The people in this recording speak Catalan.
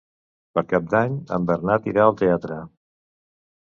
Per Cap d'Any en Bernat irà al teatre.